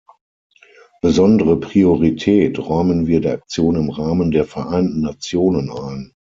Besondere Priorität räumen wir der Aktion im Rahmen der Vereinten Nationen ein.